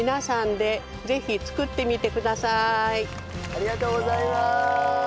ありがとうございます！